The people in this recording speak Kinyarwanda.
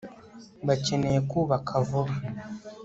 bakeneye kubaka vuba